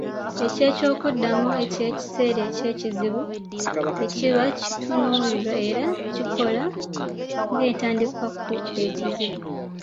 Eky’ekyokuddamu eky’ekiseera eky’ekizibu ekiba kitunuulirwa era kikola ng’entandikwa ku ekizibu.